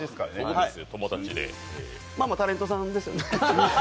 まあまあタレントさんですよね。